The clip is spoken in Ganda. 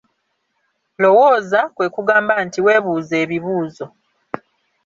Lowooza, kwe kugamba nti, weebuuze ebibuzo.